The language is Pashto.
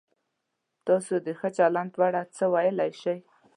تاسو د ښه چلند په اړه څه ویلای شئ؟